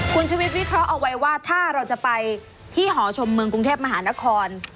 คุณชุวิตวิเคราะห์เอาไว้ว่าถ้าเราจะไปที่หอชมเมืองกรุงเทพมหานคร